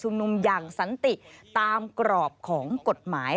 นุมอย่างสันติตามกรอบของกฎหมาย